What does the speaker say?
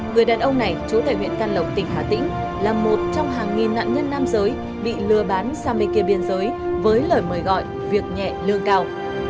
người đàn ông này chú tài huyện căn lộc tỉnh hà tĩnh là một trong hàng nghìn nạn nhân nam giới bị lừa bán sang bên kia biên giới với lời mời gọi việc nhẹ lương cao